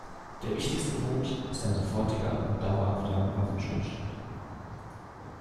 Der wichtigste Punkt ist ein sofortiger und dauerhafter Waffenstillstand.